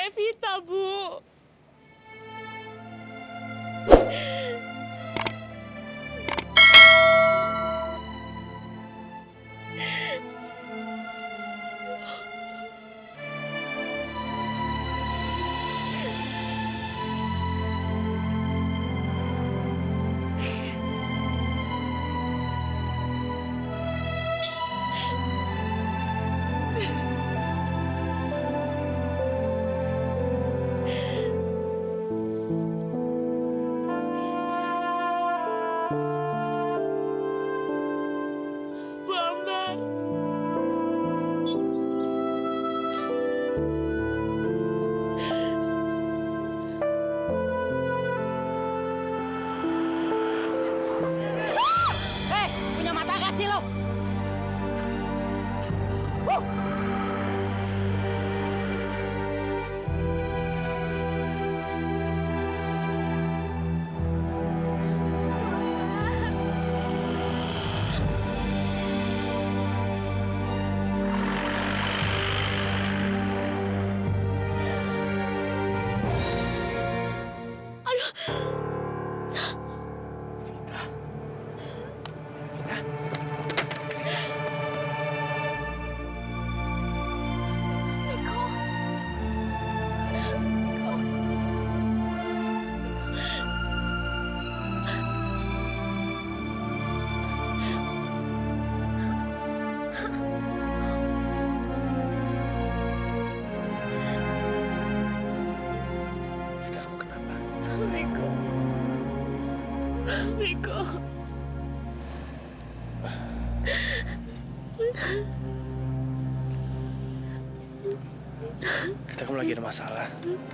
kita akan lagi ada masalah